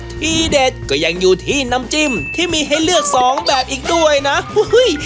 ที่เด็ดก็ยังอยู่ที่น้ำจิ้มที่มีให้เลือกสองแบบอีกด้วยนะเฮ้ย